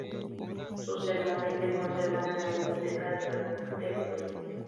Sus sermones se conservan en la Biblioteca de Bernkastel-Kues.